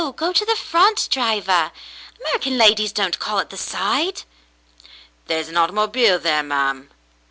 Go to the front, driver. American ladies don't call at the side." "There's a hautomobile there, ma'm."